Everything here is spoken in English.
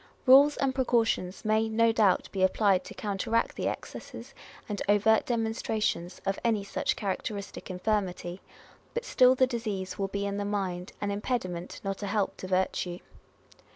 Eules and pre cautions may, no doubt, be applied to counteract the excesses and overt demonstrations of any such character istic infirmity ; but still the disease will be in the mind, an impediment, not a help to virtue.